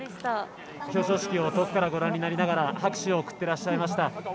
表彰式を遠くからご覧になりながら拍手を送ってらっしゃいました。